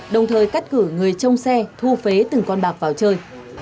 đồng thời cắt cử người trông xe thu phế từng con bạc vào chơi